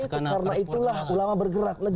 karena itulah ulama bergerak